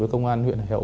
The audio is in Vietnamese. với công an huyện hải hậu